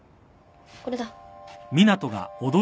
これだ。